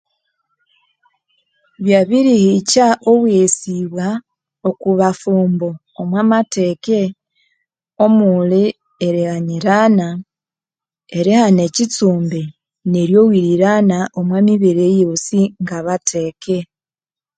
Byabirihikya obweghesibwa okubaffumbo omwa matheke omuli erighanyirana erihana ekitsumbi neryowirirana omwa matheke